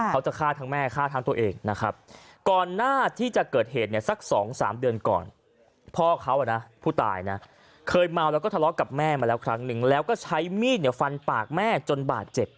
เขาจะฆ่าทั้งแม่ฆ่าทั้งตัวเองนะครับ